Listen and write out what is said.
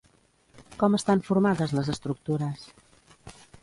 Com estan formades les estructures?